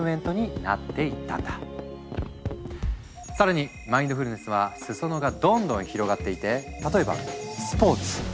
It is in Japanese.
更にマインドフルネスは裾野がどんどん広がっていて例えばスポーツ！